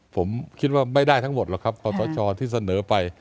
ผมคิดว่าไม่ได้ทั้งหมดหรอกครับขอสชที่เสนอไป